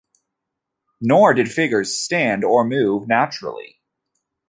Nor did figures stand or move naturally.